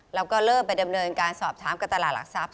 แล้วก็เริ่มไปดำเนินการสอบถามกับตลาดหลักทรัพย